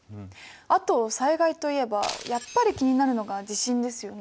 あと災害といえばやっぱり気になるのが地震ですよね。